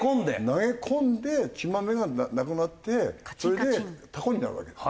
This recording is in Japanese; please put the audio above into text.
投げ込んで血マメがなくなってそれでタコになるわけです。